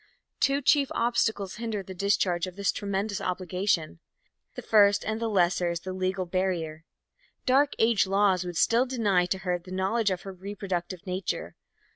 Two chief obstacles hinder the discharge of this tremendous obligation. The first and the lesser is the legal barrier. Dark Age laws would still deny to her the knowledge of her reproductive nature.